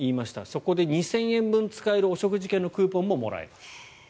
そこで２０００円分使えるお食事券のクーポンももらえる。